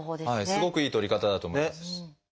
すごくいいとり方だと思います。